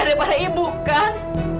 daripada ibu kan